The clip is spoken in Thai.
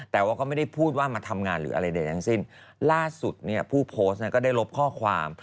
แต่ว่าก็ไม่ได้พูดว่ามาทำงานหรืออะไรใดทั้งสิ้นล่าสุดเนี่ยผู้โพสต์นั้นก็ได้ลบข้อความ